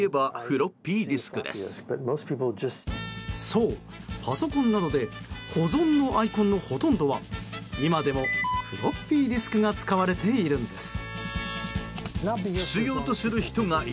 そう、パソコンなどで保存のアイコンのほとんどは今でもフロッピーディスクが使われているんです。